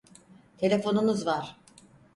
Telefonunuz var.